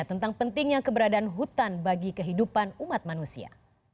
tentang pentingnya keberadaan hutan bagi kehidupan umat manusia